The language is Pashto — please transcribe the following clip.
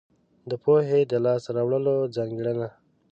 د پوهې د لاس ته راوړلو ځانګړنه.